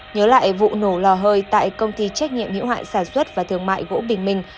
nhớ lại vụ nổ lò hơi tại công ty trách nhiệm hiệu hạn sản xuất và thương mại gỗ bình minh